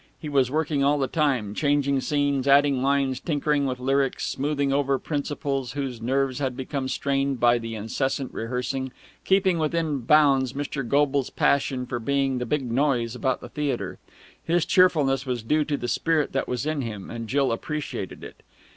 He was working all the time, changing scenes, adding lines, tinkering with lyrics, smoothing over principals whose nerves had become strained by the incessant rehearsing, keeping within bounds Mr. Goble's passion for being the big noise about the theatre. His cheerfulness was due to the spirit that was in him, and Jill appreciated it.